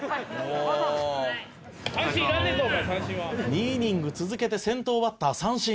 「２イニング続けて先頭バッター三振」